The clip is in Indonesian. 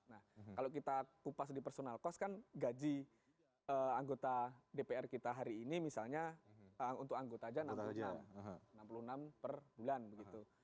nah kalau kita kupas di personal cost kan gaji anggota dpr kita hari ini misalnya untuk anggota aja enam puluh enam per bulan begitu